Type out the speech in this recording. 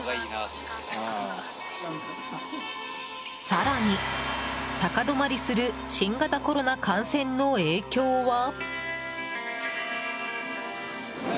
更に、高止まりする新型コロナ感染の影響は？